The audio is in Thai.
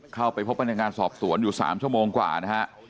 เข้าไปพบพนักงานสอบสวนอยู่๓ชั่วโมงกว่านะฮะ